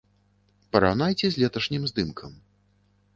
Параўнайце з леташнім здымкам.